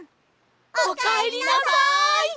おかえりなさい！